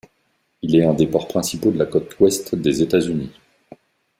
Il est un des ports principaux de la côte ouest des États-Unis.